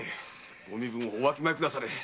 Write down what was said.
ご身分をおわきまえくだされ。